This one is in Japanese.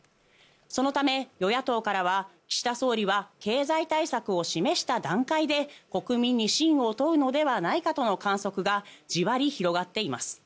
そのため与野党からは岸田総理は経済対策を示した段階で国民に信を問うのではないかとの観測がじわり広がっています。